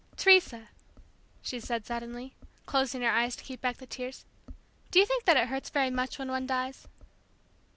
"Teresa," she said suddenly, closing her eyes to keep back the tears, "do you think that it hurts very much when one dies?"